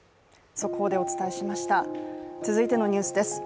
続いてのニュースです。